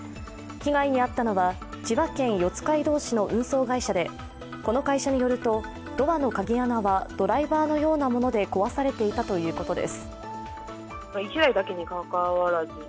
被害に遭ったのは千葉県四街道市の運送会社で、この会社によると、ドアの鍵穴はドライバーのようなもので壊されていたということです。